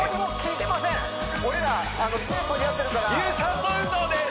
俺ら手取り合ってるから有酸素運動です！